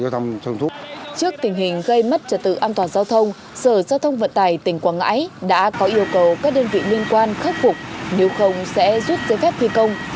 trước tình hình gây mất trật tự an toàn giao thông sở giao thông vận tài tỉnh quảng ngãi đã có yêu cầu các đơn vị liên quan khắc phục nếu không sẽ rút giấy phép thi công